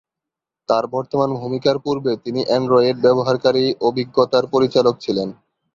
তার বর্তমান ভূমিকার পূর্বে তিনি অ্যান্ড্রয়েড ব্যবহারকারী অভিজ্ঞতার পরিচালক ছিলেন।